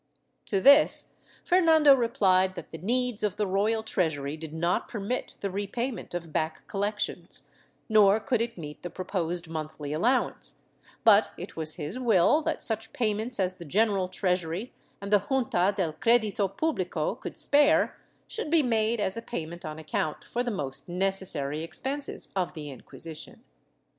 To this Fernando replied that the needs of the royal treasury did not permit the repayment of back collections, nor could it meet the proposed monthly allowance, but it was his will that such payments as the General Treasur}^ and the Junta del Credito Publico could spare should be made as a payment on account for the most necessary expenses of the Inquisition.